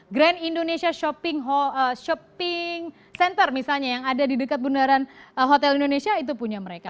grand indonesia shopping center misalnya yang ada di dekat bundaran hotel indonesia itu punya mereka